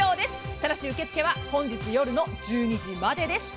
ただし受け付けは本日夜の１２時までです。